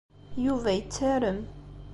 Yuba yettarem.